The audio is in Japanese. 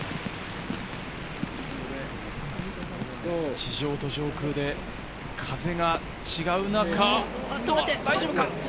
地上と上空で風が違う中、大丈夫か？